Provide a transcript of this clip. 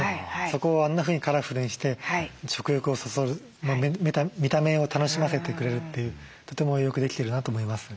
そこをあんなふうにカラフルにして食欲をそそる見た目を楽しませてくれるというとてもよくできてるなと思います。